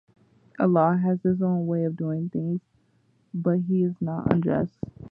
Allah has His own way of doing things, but He is not unjust.